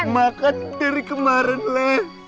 makan dari kemarin leh